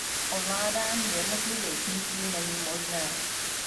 Ovládání jednotlivých nití není možné.